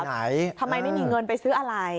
ทำไมไม่มีเงินไปซื้ออะไร